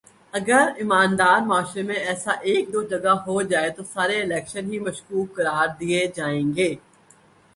اگر ایماندار معاشرے میں ایسا ایک دو جگہ ہو جائے تو سارے الیکشن ہی مشکوک قرار دے دیئے جائیں گے